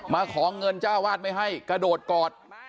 มาขอเงินเจ้าวาดไม่ให้กระโดดกอด